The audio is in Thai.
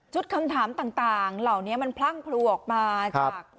ชุดคำถามต่างต่างเหล่านี้มันพลั่งพลูกออกมาครับ